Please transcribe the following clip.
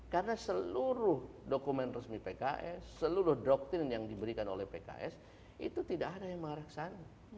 karena seluruh dokumen resmi pks seluruh doktrin yang diberikan oleh pks itu tidak ada yang mengarah ke sana